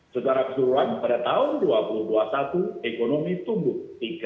setara tiruan pada tahun dua ribu dua puluh satu ekonomi tumbuh tiga enam puluh sembilan